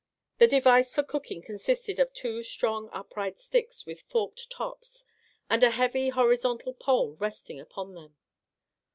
The device for cooking con sisted of two strong upright sticks with forked tops, and a heavy horizontal pole resting upon them.